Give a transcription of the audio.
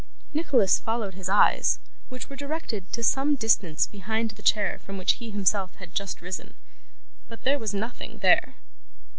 Nicholas followed his eyes, which were directed to some distance behind the chair from which he himself had just risen. But, there was nothing there.